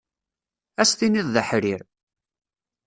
Ad as-tiniḍ d aḥrir.